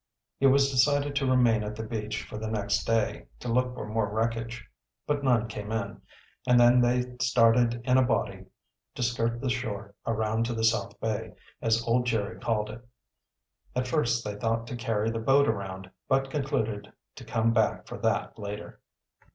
It was decided to remain at the beach for the next day, to look for more wreckage. But none came in, and then they started in a body to skirt the shore around to the South Bay, as old Jerry called it. At first they thought to carry the boat around, but concluded to come back for that later.